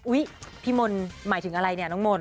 พี่มนต์หมายถึงอะไรเนี่ยน้องมนต